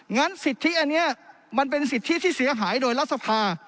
งั้นสิทธิอันนี้มันเป็นสิทธิที่เสียหายโดยรัฐสภา